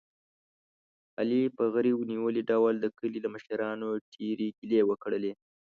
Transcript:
علي په غرېو نیولي ډول د کلي له مشرانو ډېرې ګیلې وکړلې.